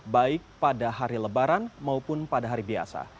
baik pada hari lebaran maupun pada hari biasa